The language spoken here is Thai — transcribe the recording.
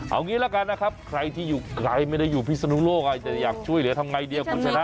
เอางี้ละกันนะครับใครที่อยู่ใครไม่ได้อยู่พิศนุโลกจะอยากช่วยเหลือทำไงเดียวคุณชนะ